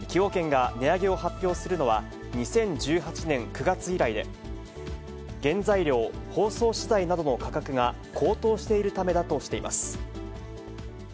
崎陽軒が値上げを発表するのは、２０１８年９月以来で、原材料、包装資材などの価格が高騰しているためだとしています。